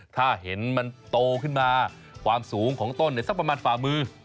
ถ้าเห็นมันโตขึ้นมาความสูงของต้นสักประมาณฝ่ามือ